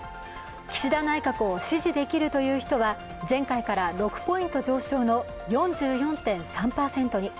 岸田内閣を支持できるという人は前回から６ポイント上昇の４４．３％に。